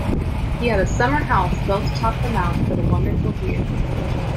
He had a summer house built atop the mound for the wonderful view.